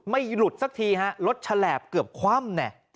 ไม่ลุดซักทีรถฉลาบเเกือบคว่ำ